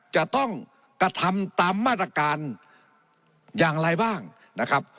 จะต้องกระทำตามมาตรการอย่างไรบ้างนะครับ